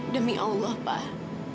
demi allah pak